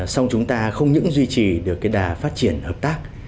song chúng ta không những duy trì được cái đà phát triển hợp tác